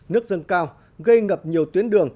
nước dân cao gây ngập nhiều tuyến đường